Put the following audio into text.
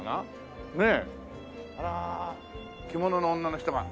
あら着物の女の人が。